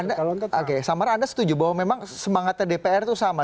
anda setuju bahwa memang semangatnya dpr itu sama